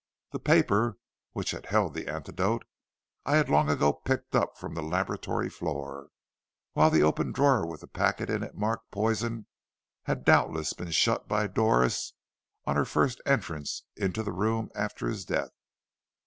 The paper which had held the antidote I had long ago picked up from the laboratory floor; while the open drawer with the packet in it marked Poison had doubtless been shut by Doris on her first entrance into the room after his death.